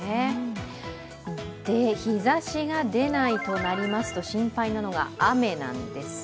日ざしが出ないとなりますと心配なのが雨なんです。